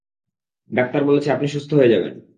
Doctor বলেছে আপনি সুস্থ হয়ে যাবেন!